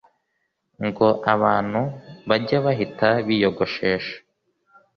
ngo abantu bajye bahita biyogoshesha